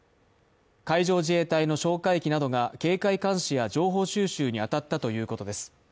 海上自衛隊の哨戒機などが警戒監視や情報収集に当たったということです。